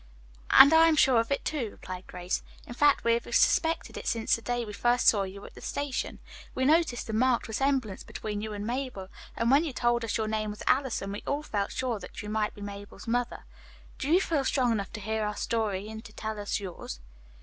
"And I am sure of it, too," replied Grace. "In fact, we have suspected it since the day we first saw you at the station. We noticed the marked resemblance between you and Mabel, and when you told us your name was Allison we all felt that you might be Mabel's mother. Do you feel strong enough to hear our story and to tell us yours?"